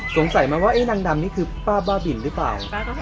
สงสัยไหมว่านางดำนี่คือป้าบ้าบินหรือเปล่า